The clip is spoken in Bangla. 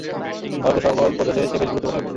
ভারতের সকল প্রদেশে সে বেশ গুরুত্বপূর্ণ একজন।